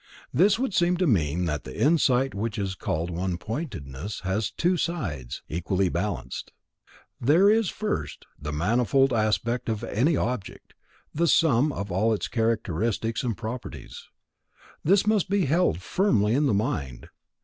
This would seem to mean that the insight which is called one pointedness has two sides, equally balanced. There is, first, the manifold aspect of any object, the sum of all its characteristics and properties. This is to be held firmly in the mind.